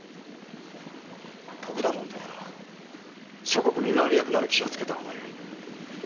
徳田殿とやら諸国見回り役なら気をつけた方がよい。